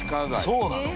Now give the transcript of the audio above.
そうなの？